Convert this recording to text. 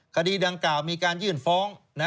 คดีดังกล่าวมีการยื่นฟ้อง